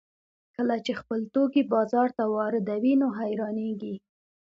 کله چې خپل توکي بازار ته واردوي نو حیرانېږي